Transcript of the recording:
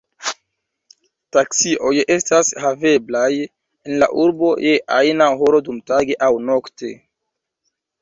Taksioj estas haveblaj en la urbo je ajna horo dumtage aŭ nokte.